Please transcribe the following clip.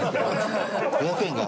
５００円が。